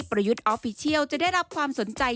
ประยุทธ์ออฟฟิเชียลจะได้รับความสนใจ